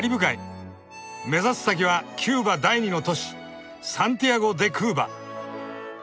目指す先はキューバ第２の都市サンティアゴ・デ・クーバ。